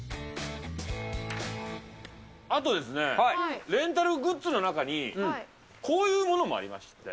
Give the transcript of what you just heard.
あとですね、レンタルグッズの中に、こういうものもありまして。